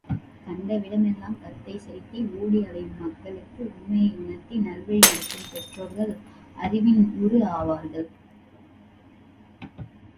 கண்டவிடமெல்லாம் கருத்தைச் செலுத்தி ஓடி அலையும் மக்களுக்கு உண்மையை உணர்த்தி, நல்வழி நடத்தும் பெற்றோர்கள் அறிவின் உரு ஆவார்கள்.